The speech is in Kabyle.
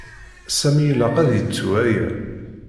Sami ilaq ad yettu aya.